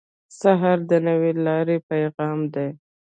سهار د نوې لارې پیغام دی.